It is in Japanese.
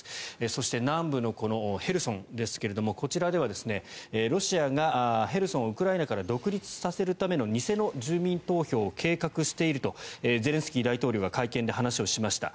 そして南部のこのヘルソンですがこちらではロシアがヘルソンをウクライナから独立させるための偽の住民投票を計画しているとゼレンスキー大統領が会見で話をしました。